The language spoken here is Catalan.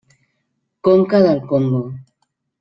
Conca del Congo.